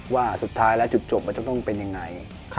ว่าสุดท้ายแล้วจุดจบมันจะต้องเป็นยังไง